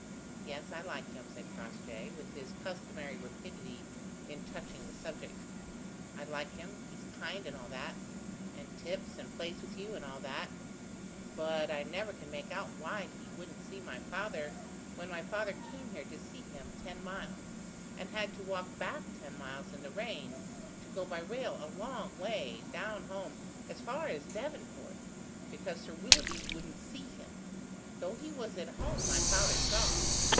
"Yes, I like him," said Crossjay, with his customary rapidity in touching the subject; "I like him; he's kind and all that, and tips and plays with you, and all that; but I never can make out why he wouldn't see my father when my father came here to see him ten miles, and had to walk back ten miles in the rain, to go by rail a long way, down home, as far as Devonport, because Sir Willoughby wouldn't see him, though he was at home, my father saw.